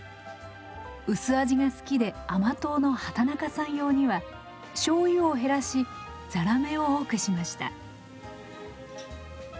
薄味が好きで甘党の畠中さん用には醤油を減らしざらめを多くしました。